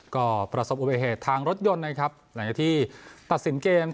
ก็ประสบอุปแห่งเพถทางรถยนต์นะครับหลังจากที่ตัดสินเกมไทย